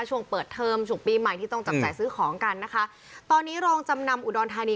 ช่วงเปิดเทอมสุขปีใหม่ที่ต้องจับจ่ายซื้อของกันนะคะตอนนี้โรงจำนำอุดรธานี